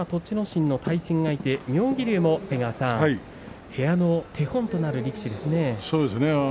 心の対戦相手妙義龍も境川さん部屋の手本となる力士ですね。